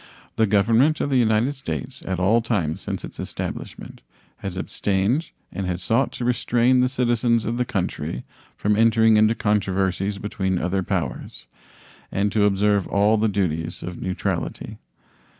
The Government of the United States at all times since its establishment has abstained and has sought to restrain the citizens of the country from entering into controversies between other powers, and to observe all the duties of neutrality.